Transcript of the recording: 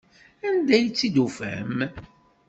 Anda ay tt-id-tufam?